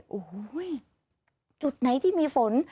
โอ้โหจุดไหนที่มีฝน